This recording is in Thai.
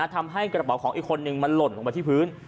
ทำให้กระเป๋าของอีกคนนึงมันหล่นลงมาที่พื้น